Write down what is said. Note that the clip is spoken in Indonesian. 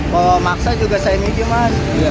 bawa maksa juga saya mikir mas